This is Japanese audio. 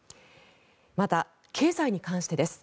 また、経済に関してです。